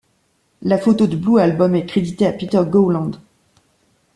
La photo du Blue Album est créditée à Peter Gowland.